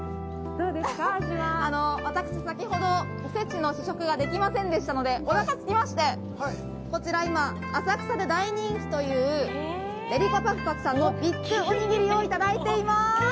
私は先ほどおせちの試食ができませんでしたのでおなかが空いてこちら浅草で大人気というデリカぱくぱくさんのビッグおにぎりをいただいています。